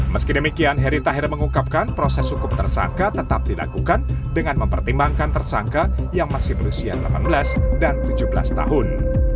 meski demikian heri tahir mengungkapkan proses hukum tersangka tetap dilakukan dengan mempertimbangkan tersangka yang masih berusia delapan belas dan tujuh belas tahun